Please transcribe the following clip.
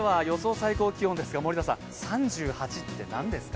最高気温ですが、森田さん、３８って何ですか。